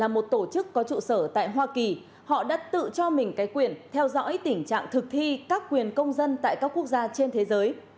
một tổ chức có trụ sở tại hoa kỳ họ đã tự cho mình cái quyền theo dõi tình trạng thực thi các quyền công dân tại các quốc gia trên thế giới